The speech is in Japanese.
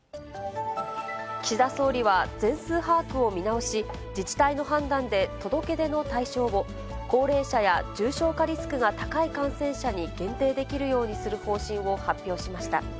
岸田総理は、全数把握を見直し、自治体の判断で届け出の対象を、高齢者や重症化リスクが高い感染者に限定できるようにする方針を発表しました。